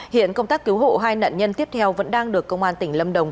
hiện công tác cứu hộ hai nạn nhân tiếp theo vẫn đang được công an tỉnh lâm đồng